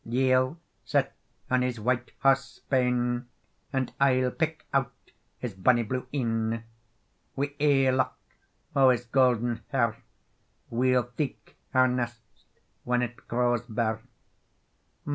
"Ye'll sit on his white hause bane, And I'll pike out his bonny blue een; Wi ae lock o his gowden hair We'll theek our nest when it grows bare.